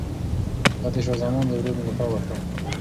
هغه د شاه زمان د ورور ملاتړ وکړ.